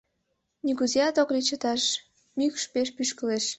— Нигузеат ок лий чыташ, мӱкш пеш пӱшкылеш.